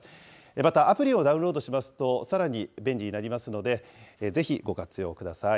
また、アプリをダウンロードしますと、さらに便利になりますので、ぜひご活用ください。